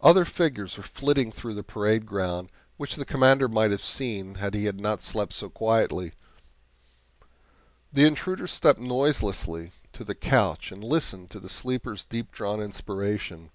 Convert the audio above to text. Other figures were flitting through the parade ground, which the Commander might have seen had he not slept so quietly. The intruder stepped noiselessly to the couch and listened to the sleeper's deep drawn inspiration.